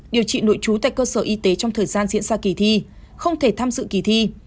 điều trị nội trú tại cơ sở y tế trong thời gian diễn ra kỳ thi không thể tham dự kỳ thi